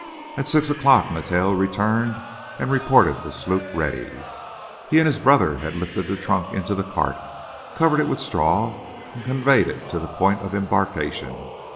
At six o'clock Mateo returned and reported the sloop ready. He and his brother lifted the trunk into the cart, covered it with straw and conveyed it to the point of embarkation.